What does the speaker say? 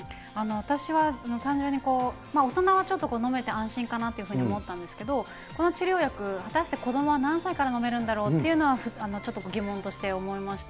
私は単純に大人はちょっと飲めて安心かなというふうに思ったんですけど、この治療薬、果たして子どもは何歳から飲めるんだろうっていうのは、ちょっと疑問として思いました。